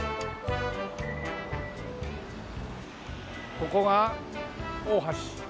ここが大橋。